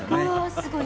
すごい。